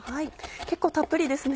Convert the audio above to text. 結構たっぷりですね。